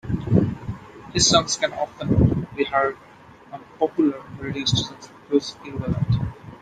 His songs can often be heard on popular radio stations across Yorubaland.